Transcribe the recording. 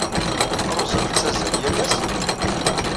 Ṛuza tettazzal yal ass?